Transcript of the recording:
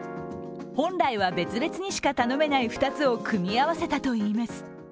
本来は、別々にしか頼めない２つを組み合わせたといいます。